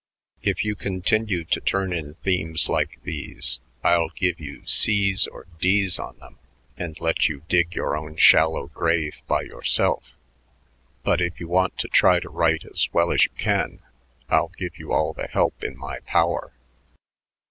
If you continue to turn in themes like these, I'll give you C's or D's on them and let you dig your own shallow grave by yourself. But If you want to try to write as well as you can, I'll give you all the help in my power.